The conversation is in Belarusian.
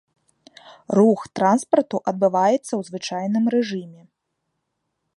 Рух транспарту адбываецца ў звычайным рэжыме.